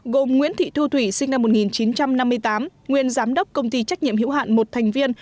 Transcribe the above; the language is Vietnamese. gồm nguyễn thị thu thủy sinh năm một nghìn chín trăm năm mươi tám nguyên giám đốc công ty trách nhiệm hữu hạn một thành viên